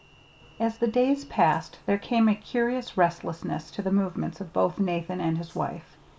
As the days passed, there came a curious restlessness to the movements of both Nathan and his wife.